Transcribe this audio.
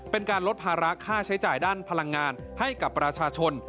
เป็นการลดภาระค่าใช้จ่ายด้านพลังงานให้กับประชาชน